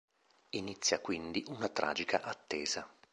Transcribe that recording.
Inizia quindi una tragica attesa.